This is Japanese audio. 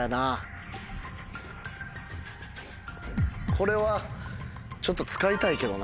これはちょっと使いたいけどな。